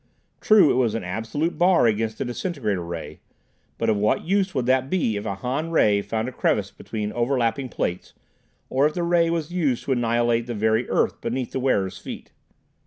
True, it was an absolute bar against the disintegrator ray, but of what use would that be if a Han ray found a crevice between overlapping plates, or if the ray was used to annihilate the very earth beneath the wearer's feet?